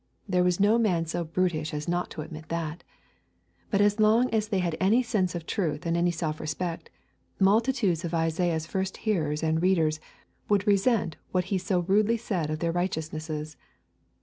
There was no man so brutish as not to admit that. But as long as they had any sense of truth and any self respect, multitudes of Isaiah's first hearers and readers would resent what he so rudely said of their righteousnesses.